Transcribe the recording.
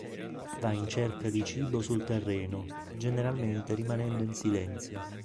Va in cerca di cibo sul terreno, generalmente rimanendo in silenzio.